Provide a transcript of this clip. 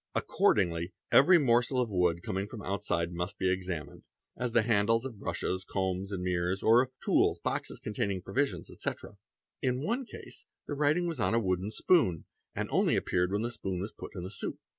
Accordingly every morsel of wood coming from out Pi Bee 'side must be examined, as the handles of brushes, combs, and mirrors, or of tools, boxes containing provisions, etc. In one case the writing was on a wooden spoon, and only appeared when the spoon was put in the soup.